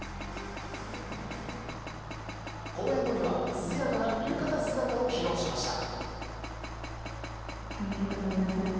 公演後には涼やかな浴衣姿を披露しました。